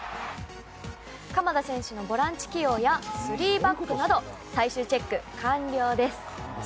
鎌田選手のボランチ起用や３バックなど最終チェック完了です！